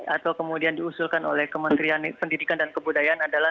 atau kemudian diusulkan oleh kementerian pendidikan dan kebudayaan adalah